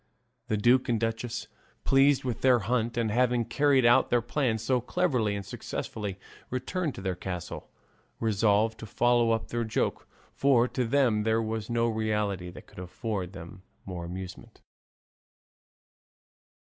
The duke and duchess, pleased with their hunt and at having carried out their plans so cleverly and successfully, returned to their castle resolved to follow up their joke; for to them there was no reality that could afford them more amusement.